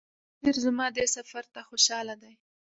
بصیر زما دې سفر ته خوشاله دی.